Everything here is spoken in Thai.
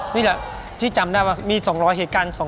นี่แหละที่จำได้ว่ามี๒๐๐เหตุการณ์